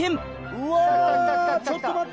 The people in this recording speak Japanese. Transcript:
うわちょっと待って！